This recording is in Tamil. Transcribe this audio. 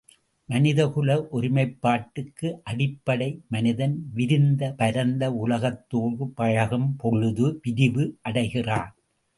மனிதகுல ஒருமைப்பாட்டுக்கு அடிப்படை மனிதன் விரிந்த பரந்த உலகத்தோடு பழகும்பொழுது விரிவு அடைகிறான்.